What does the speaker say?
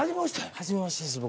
はじめましてです僕。